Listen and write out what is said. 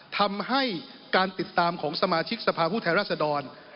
ทำให้การติดตามของสมาชิกสภาพุทธแห่งรัฐศรรณ